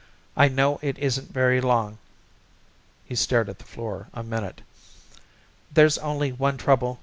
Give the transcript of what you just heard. I know it isn't very long " He stared at the floor a minute. "There's only one trouble.